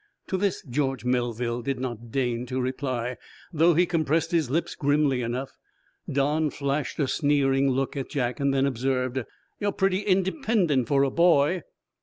To this George Melville did not deign to reply, though he compressed his lips grimly enough. Don flashed a sneering look at Jack, then observed: "You're pretty independent for a boy."